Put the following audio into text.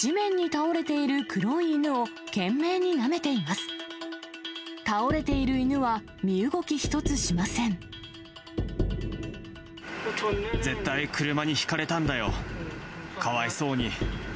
倒れている犬は、身動き一つしま絶対、車にひかれたんだよ、かわいそうに。